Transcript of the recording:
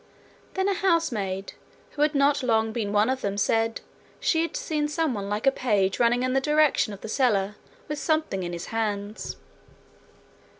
Then a housemaid, who had not long been one of them, said she had seen someone like a page running in the direction of the cellar with something in his hands.